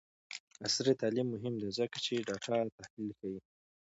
عصري تعلیم مهم دی ځکه چې د ډاټا تحلیل ښيي.